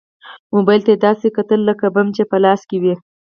موبايل ته يې داسې کتل لکه بم چې يې په لاس کې وي.